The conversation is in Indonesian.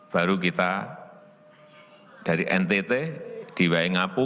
baru kita dari ntt di waingapu